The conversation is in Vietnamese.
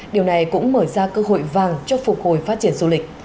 điều này cũng mở ra cơ hội vàng cho phục hồi phát triển du lịch